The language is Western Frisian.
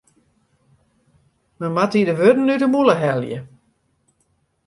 Men moat dy de wurden út 'e mûle helje.